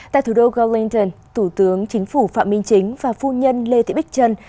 tại thủ đô golenden thủ tướng chính phủ phạm minh chính và phu nhân lê thị bích trân